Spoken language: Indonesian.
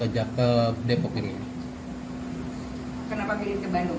kami sudah beberapa kali rapat ya pak untuk menentukan tempat